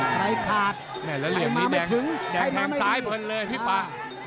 ใครขาดยังมาไม่ถึงแดงแทงซ้ายบนเลยพี่ป่า